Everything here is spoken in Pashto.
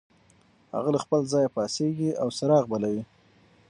هغه له خپل ځایه پاڅېږي او څراغ بلوي.